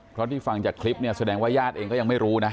เพราะที่ฟังจากคลิปเนี่ยแสดงว่าญาติเองก็ยังไม่รู้นะ